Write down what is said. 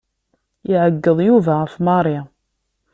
Iɛeggeḍ Yuba ɣef Mary.